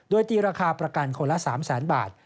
โดยตีราคาประกันคนละ๓แสนบาท